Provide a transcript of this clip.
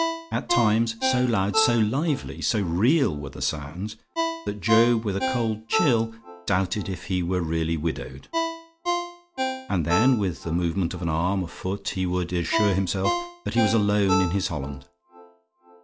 At times, so loud, so lively, so real were the sounds, that Job, with a cold chill, doubted if he were really widowed. And then, with the movement of an arm, a foot, he would assure himself that he was alone in his holland.